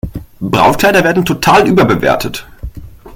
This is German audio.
Brautkleider werden total überbewertet.